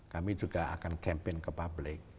kami juga akan campaign ke publik